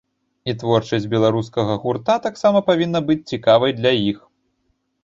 І творчасць беларускага гурта таксама павінна быць цікавай для іх.